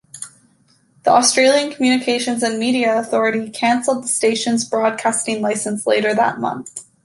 The Australian Communications and Media Authority cancelled the station's broadcasting licence later that month.